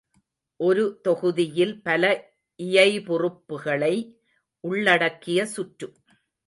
ஒரு தொகுதியில் பல இயைபுறுப்புகளை உள்ளடக்கிய சுற்று.